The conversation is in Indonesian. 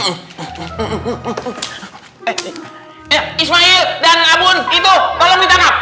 eh ismail dan abun itu tolong ditangkap